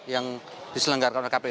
yang diselenggarakan oleh kp